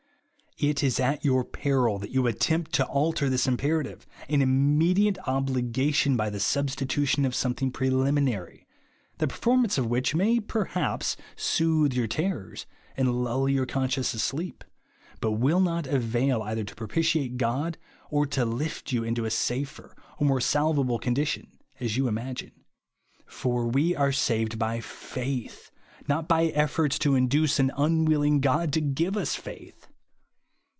It is at your peril that you attempt to alter this imperative and immediate obli gation by the substitution of something preliminary, the performance of which may perhaps soothe your terrors and lull your conscience asleep, but will not avail either to propitiate God or to lift you into a safer, or more salvable condition, as you imagine. For we are saved by faith, not by efforts to induce " an unwilling God " to give us faith.